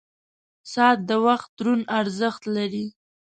• ساعت د وخت دروند ارزښت لري.